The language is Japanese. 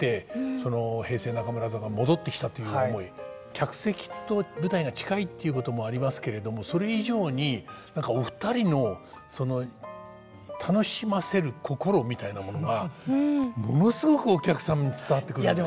客席と舞台が近いっていうこともありますけれどもそれ以上に何かお二人のその楽しませる心みたいなものがものすごくお客さんに伝わってくるっていう。